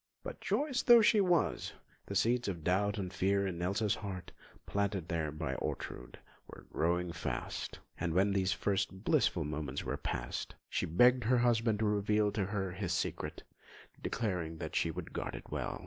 But joyous though she was, the seeds of doubt and fear in Elsa's heart, planted there by Ortrud, were growing fast; and when these first blissful moments were past, she begged her husband to reveal to her his secret, declaring that she would guard it well.